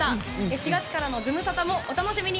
４月からのズムサタもお楽しみに。